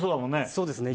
そうですね。